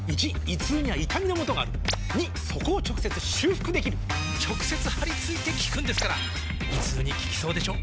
①胃痛には痛みのもとがある②そこを直接修復できる直接貼り付いて効くんですから胃痛に効きそうでしょ？